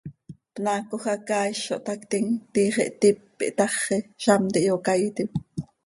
Pnaacoj hacaaiz zo htaactim, tiix ihtíp ihtaxi, zamt ihyocaiitim.